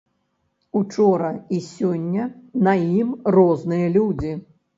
Учора і сёння на ім розныя людзі.